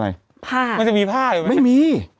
แต่หนูจะเอากับน้องเขามาแต่ว่า